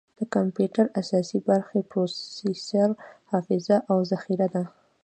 د کمپیوټر اساسي برخې پروسیسر، حافظه، او ذخیره ده.